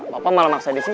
bapak malah maksa di sini